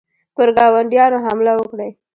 پر ګاونډیانو حمله وکړي.